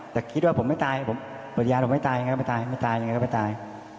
แต่คิดว่าผมไม่ตายผมปฏิญาผมไม่ตายยังไงก็ไม่ตายไม่ตายยังไงก็ไม่ตาย